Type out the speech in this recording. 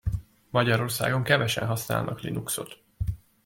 Magyarországon kevesen használnak Linuxot.